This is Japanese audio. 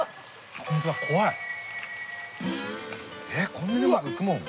こんなにうまくいくもん？